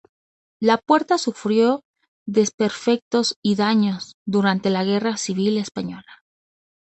La puerta sufrió desperfectos y daños durante la Guerra Civil española.